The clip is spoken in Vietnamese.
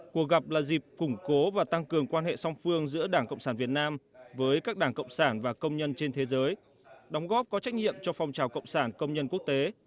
cuộc gặp là dịp củng cố và tăng cường quan hệ song phương giữa đảng cộng sản việt nam với các đảng cộng sản và công nhân trên thế giới đóng góp có trách nhiệm cho phong trào cộng sản công nhân quốc tế